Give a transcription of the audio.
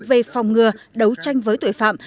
về phòng ngừa đấu tranh với tội phạm